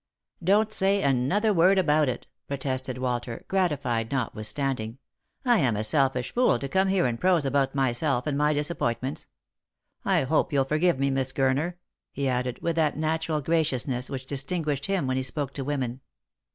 "Don't say another word about it," protested Walter, gratified notwithstanding. " I am a selfish fool to come here and prose about myself and my disappointments. I hope you'll forgive me, Miss Gurner," he added, with that natural graciousness which distinguished him when he spoke to women.